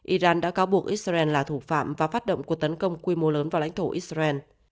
iran đã cáo buộc israel là thủ phạm và phát động cuộc tấn công quy mô lớn vào lãnh thổ israel